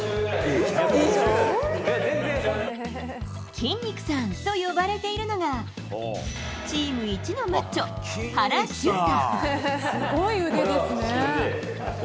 筋肉さんと呼ばれているのがチーム一のマッチョ、原修太。